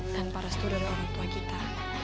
dan para setudah orang tua kita